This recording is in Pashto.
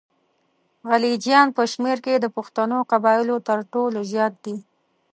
غلجیان په شمېر کې د پښتنو قبایلو تر ټولو زیات دي.